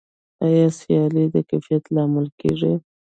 آیا سیالي د کیفیت لامل کیږي؟